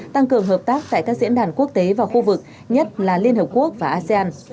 tăng cường hợp tác tại các diễn đàn quốc tế và khu vực nhất là liên hợp quốc và asean